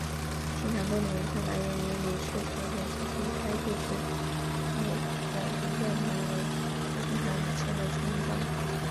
新堂洞的名称来源于李氏朝鲜时期该地区内的一个名为新堂村的村庄。